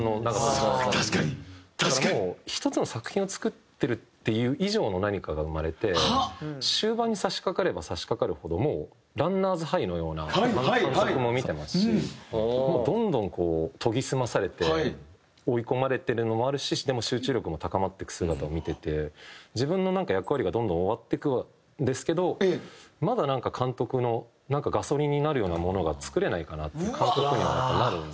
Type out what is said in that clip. だからもう１つの作品を作ってるっていう以上の何かが生まれて終盤に差しかかれば差しかかるほどもうランナーズ・ハイのような監督も見てますしもうどんどんこう研ぎ澄まされて追い込まれてるのもあるしでも集中力も高まっていく姿を見てて自分の役割がどんどん終わっていくんですけどまだなんか監督のガソリンになるようなものが作れないかなっていう感覚にはやっぱなるんで。